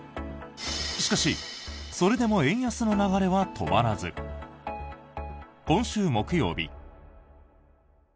しかしそれでも円安の流れは止まらず今週木曜日。